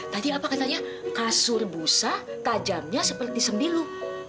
tadi apa katanya kasur busa tajamnya seperti sembilu